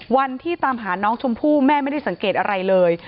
วันที่ตามหาน้องชมพู่แม่ไม่ได้สังเกตอะไรเลย